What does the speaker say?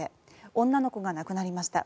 女の子が亡くなりました。